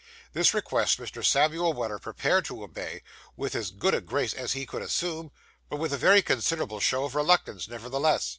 This request Mr. Samuel Weller prepared to obey, with as good a grace as he could assume, but with a very considerable show of reluctance nevertheless.